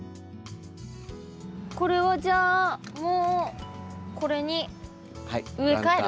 これはじゃあもうこれに植え替える？